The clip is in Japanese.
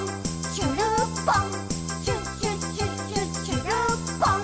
しゅるっぽん！」